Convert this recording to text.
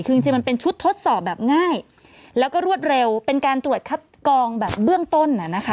คือจริงมันเป็นชุดทดสอบแบบง่ายแล้วก็รวดเร็วเป็นการตรวจคัดกองแบบเบื้องต้น